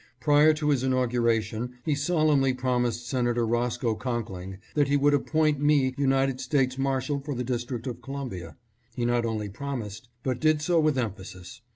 Prior to his inauguration he solemnly promised Senator Roscoe Conkling that he would appoint me United States Mar shal for the District of Columbia. He not only prom ised, but did so with emphasis.